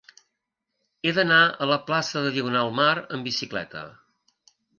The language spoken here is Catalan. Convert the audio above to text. He d'anar a la plaça de Diagonal Mar amb bicicleta.